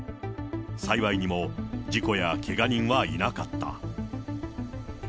幸いにも事故やけが人はいなかった。